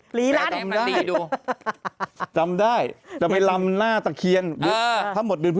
ไปเอาเทปรายไลน์ดู